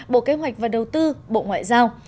bộ kế hoạch và đầu tư bộ ngoại giao